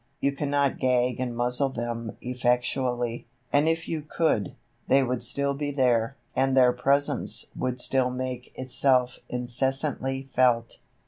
You cannot gag and muzzle them effectually, and if you could, they would still be there, and their presence would still make itself incessantly felt.